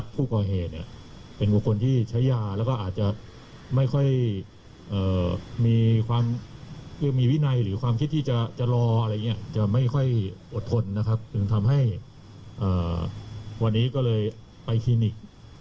คือทำให้วันนี้ก็เลยไปคลินิก